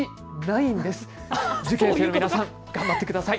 受験生の皆さん、頑張ってください。